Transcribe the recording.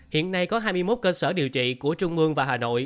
hiện nay có hai mươi một cơ sở điều trị của trung mương và hà nội